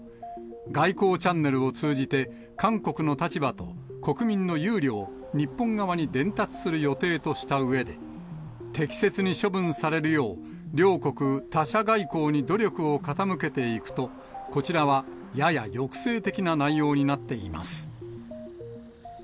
外交チャンネルを通じて、韓国の立場と国民の憂慮を日本側に伝達する予定としたうえで、適切に処分されるよう、両国、他者外交に努力を傾けていくと、こちらはやや抑制的な内容になっています。